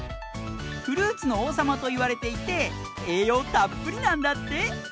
フルーツのおうさまといわれていてえいようたっぷりなんだって。